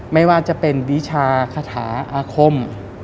ไม่ว่าจะเป็นวิชาคาถาอาคม